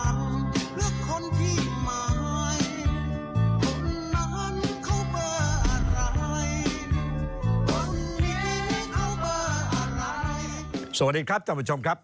สวัสดีครับจังหวัดชมครับ